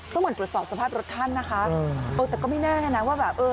ต้องเหมือนกฎศอบสภาพรถท่านนะคะเออแต่ก็ไม่แน่แน่นะว่าแบบเออ